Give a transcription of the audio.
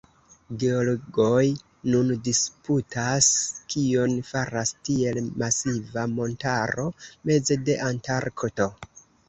Geologoj nun disputas, kion faras tiel masiva montaro meze de Antarkto.